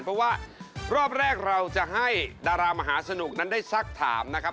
เพราะว่ารอบแรกเราจะให้ดารามหาสนุกนั้นได้สักถามนะครับ